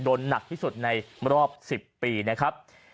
หนักที่สุดในรอบ๑๐ปีนะครับ